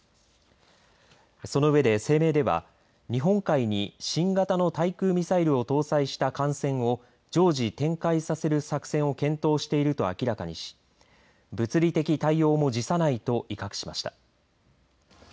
その上で声明では日本海に新型の対空ミサイルを搭載した艦船を常時展開させる作戦を検討していると明らかにし物理的対応も辞さないと威嚇しました。